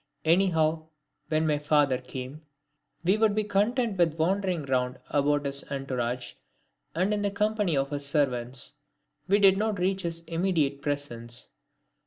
Anyhow, when my father came, we would be content with wandering round about his entourage and in the company of his servants. We did not reach his immediate presence.